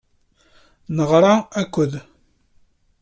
Neɣra-ak-d.